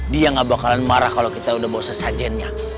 dia gak bakalan marah kalau kita udah bos sesajennya